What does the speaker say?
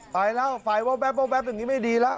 ไปแล้วไฟว้าวแป๊บว้าวแป๊บอย่างนี้ไม่ดีแล้ว